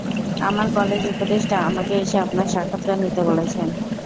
আমার কলেজ উপদেষ্টা আমাকে এসে আপনার সাক্ষাৎকার নিতে বলেছেন।